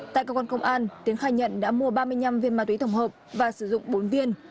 tại cơ quan công an tiến khai nhận đã mua ba mươi năm viên ma túy tổng hợp và sử dụng bốn viên